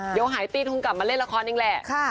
เดี๋ยวหายตี้คงกลับมาเล่นละครเองแหละ